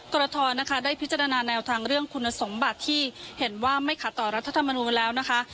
กรทนะคะได้พิจารณาแนวทางเรื่องคุณสมบัติที่เห็นว่าไม่ขัดต่อรัฐธรรมนูลแล้วนะคะ